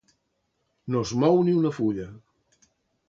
No es mou ni una fulla.